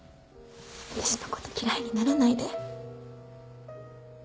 私のこと嫌いにならないで。